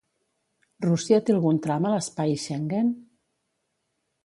Rússia té algun tram a l'espai Schengen?